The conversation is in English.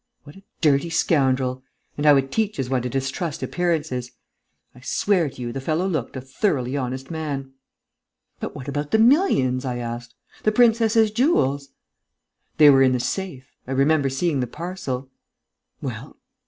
"What a dirty scoundrel! And how it teaches one to distrust appearances! I swear to you, the fellow looked a thoroughly honest man!" "But what about the millions?" I asked. "The princess's jewels?" "They were in the safe. I remember seeing the parcel." "Well?"